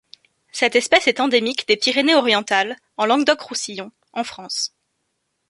Cette espèce est endémique des Pyrénées-Orientales en Languedoc-Roussillon en France.